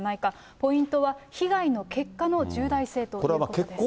ポイントは被害の結果の重大性ということです。